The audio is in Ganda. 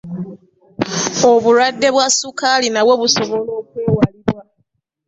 Obulwadde bwa ssukaali nabwo busobola okwewalibwa.